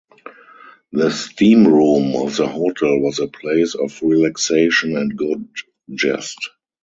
The steam room of the hotel was a place of relaxation and good jest.